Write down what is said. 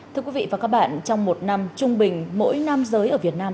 thưa quý vị và các bạn trong một năm trung bình mỗi nam giới ở việt nam